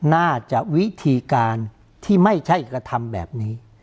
น่าจะวิธีการที่ไม่ใช่กระทำแบบนี้